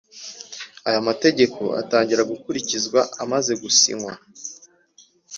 Aya mategeko atangira gukurikizwa amaze gusinywa